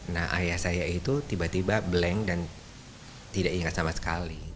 nah ayah saya itu tiba tiba blank dan tidak ingat sama sekali